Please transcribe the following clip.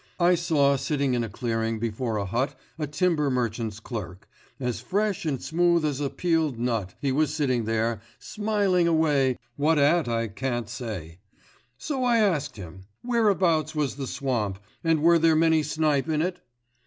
I saw sitting in a clearing before a hut a timber merchant's clerk, as fresh and smooth as a peeled nut, he was sitting there, smiling away what at, I can't say. So I asked him: "Whereabouts was the swamp, and were there many snipe in it?"